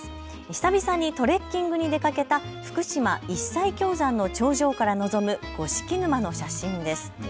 久々にトレッキングに出かけた福島、一切経山の頂上から望む五色沼の写真です。